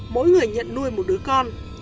mỗi người nhận nuôi một đứa con